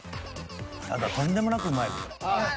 ただとんでもなくうまいこれ。